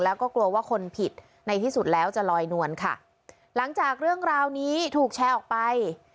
แล้วก็กลัวว่าคนผิดในที่สุดแล้วจะลอยนวลค่ะหลังจากเรื่องราวนี้ถูกแชร์ออกไป